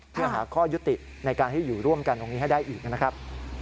เพื่อหาข้อยุติในการที่อยู่ร่วมกันตรงนี้ให้ได้อีกนะครับ